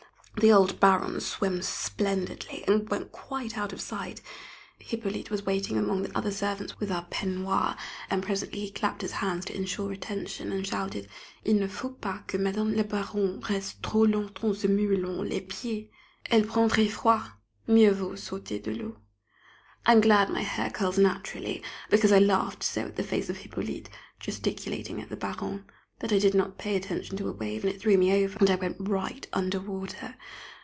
The old Baron swims splendidly, and went quite out of sight. Hippolyte was waiting among the other servants with our peignoirs, and presently he clapped his hands to insure attention, and shouted, "Il ne faut pas que Madame la Baronne reste trop longtemps se mouillant les pieds, elle prendrait froid, mieux vaut sortir de l'eau!" [Sidenote: End of the Trip] I am glad my hair curls naturally, because I laughed so at the face of Hippolyte, gesticulating at the Baronne, that I did not pay attention to a wave, and it threw me over, and I went right under water.